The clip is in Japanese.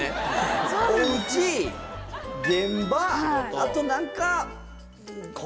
あと何か。